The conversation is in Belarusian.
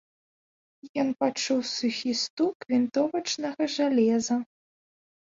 Ён пачуў сухі стук вінтовачнага жалеза.